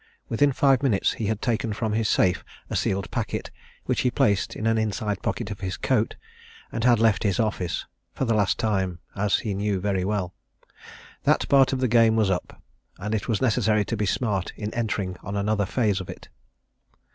Within five minutes he had taken from his safe a sealed packet, which he placed in an inside pocket of his coat, and had left his office for the last time, as he knew very well. That part of the game was up and it was necessary to be smart in entering on another phase of it.